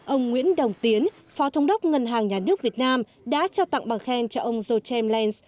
ông nguyễn đồng tiến phó thống đốc ngân hàng nhà nước việt nam đã trao tặng bằng khen cho ông josem lensk